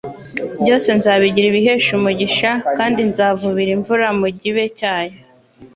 byose nzabigira ibihesha umugisha kandi nzavubira imvura mu gibe cyayo.